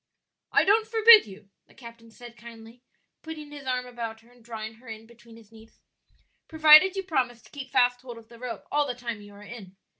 "I don't forbid you," the captain said kindly, putting his arm about her and drawing her in between his knees; "provided you promise to keep fast hold of the rope all the time you are in.